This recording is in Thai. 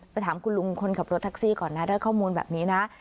ถามคุณลุงคนขับรถแท็กซี่ก่อนนะได้ข้อมูลแบบนี้นะ